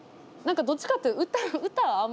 何かどっちかって歌は